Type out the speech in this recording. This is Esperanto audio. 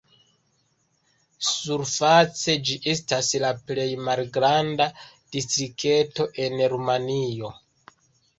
Surface ĝi estas la plej malgranda distrikto en Rumanio.